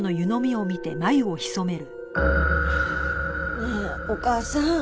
ねえお義母さん